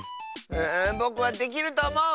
うぼくはできるとおもう！